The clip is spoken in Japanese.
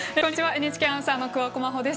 ＮＨＫアナウンサーの桑子真帆です。